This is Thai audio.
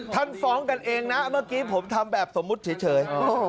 ฟ้องกันเองนะเมื่อกี้ผมทำแบบสมมุติเฉย